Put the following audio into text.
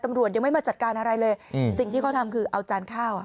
ตำรวจยังไม่มาจัดการอะไรเลยสิ่งที่เขาทำคือเอาจานข้าวอ่ะ